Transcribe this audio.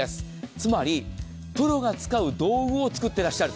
つまりプロが使う道具を作ってらっしゃる。